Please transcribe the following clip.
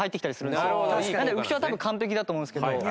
なので浮所は多分完璧だと思うんですけど。